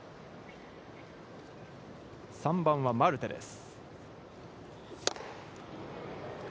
３番はマルテです。